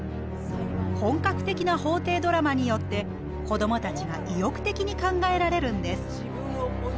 本格的な法廷ドラマによって子どもたちが意欲的に考えられるんです。